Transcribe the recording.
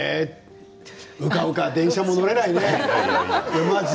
うかうか電車にも乗れないね。